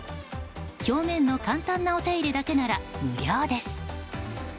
表面の簡単なお手入れだけなら無料です。